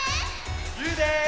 ゆうです！